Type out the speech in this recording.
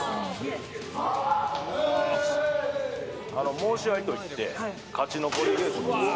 申し合いといって勝ち残り稽古です。